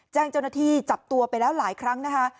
แจ้งเจ้าหน้าที่จับตัวไปแล้วหลายครั้งนะคะ